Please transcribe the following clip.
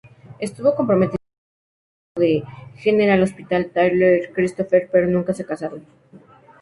Estuvo comprometida con su compañero de "General Hospital" Tyler Christopher, pero nunca se casaron.